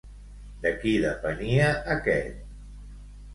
De qui depenia aquest?